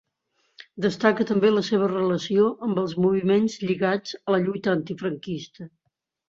Destaca també la seva relació amb els moviments lligats a la lluita antifranquista.